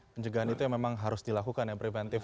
pencegahan itu yang memang harus dilakukan ya preventif